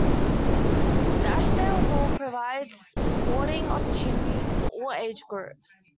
The Ashdale Hall provides sporting opportunities for all age groups.